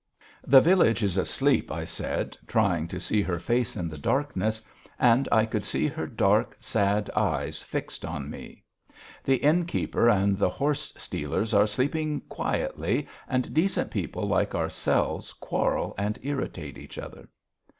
"The village is asleep," I said, trying to see her face in the darkness, and I could see her dark sad eyes fixed on me. "The innkeeper and the horse stealers are sleeping quietly, and decent people like ourselves quarrel and irritate each other."